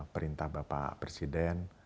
perintah bapak presiden